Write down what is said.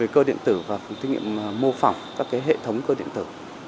cơ điện tử và phòng thí nghiệm mô phỏng các hệ thống cơ điện tử